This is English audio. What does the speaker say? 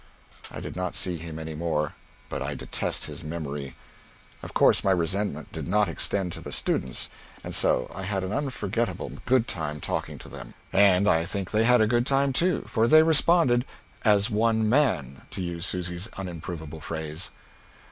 I did not see him any more, but I detest his memory. Of course my resentment did not extend to the students, and so I had an unforgettable good time talking to them. And I think they had a good time too, for they responded "as one man," to use Susy's unimprovable phrase.